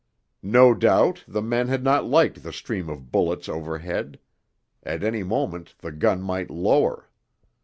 No doubt the men had not liked the stream of bullets overhead; at any moment the gun might lower.